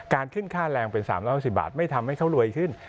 ขึ้นค่าแรงเป็น๓๖๐บาทไม่ทำให้เขารวยขึ้น